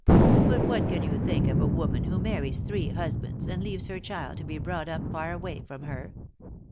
But what can you think of a woman who marries three husbands, and leaves her child to be brought up far away from her?